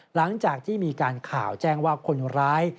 หลังจากที่มีการข่าวแจ้งว่าคนร้าย